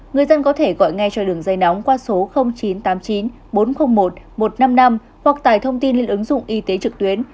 người dân có thể gọi ngay cho đường dây nóng qua số chín trăm tám mươi chín bốn trăm linh một một trăm năm mươi năm hoặc tải thông tin lên ứng dụng y tế trực tuyến